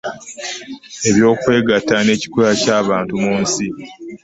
Ebyokwegatta n’ekikula ky’abantu mu nsi.